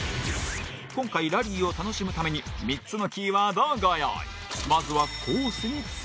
今回、ラリーを楽しむために３つのキーワードをご用意。